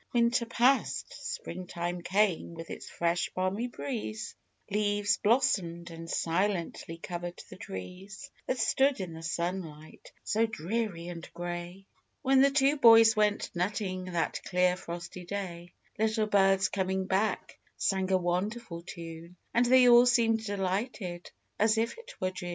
Winter passed ; Spring time came with its fresh, balmy breeze ; Leaves blossomed, and silently covered the trees That stood in the sunlight, so dreary and grey, When the two boys went nutting that clear, frosty day; Little birds coming back, sang a wonderful tune, And they all seemed delighted, as if it were June.